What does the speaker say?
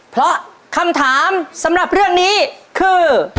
เพราะคำถามสำหรับเรื่องนี้คือ